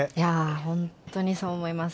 本当にそう思います。